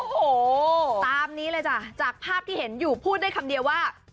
โอ้โหตามนี้เลยจ้ะจากภาพที่เห็นอยู่พูดได้คำเดียวว่า